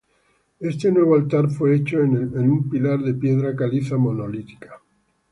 Este nuevo altar fue hecho de un pilar de piedra caliza monolítica.